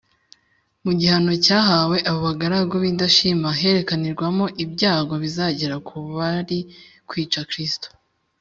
mu gihano cyahawe abo bagaragu b’indashima herekanirwamo ibyago bizagera ku bari kwica kristo